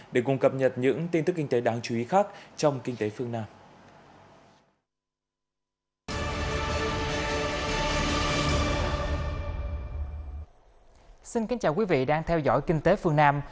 để cùng cập nhật những tin tức kinh tế đáng chú ý khác trong kinh tế phương nam